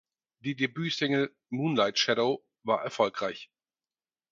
Die Debütsingle "Moonlight Shadow" war erfolgreich.